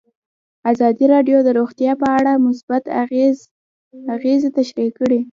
ازادي راډیو د روغتیا په اړه مثبت اغېزې تشریح کړي.